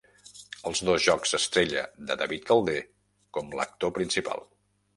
Els dos jocs Estrella de David Calder com l'actor principal.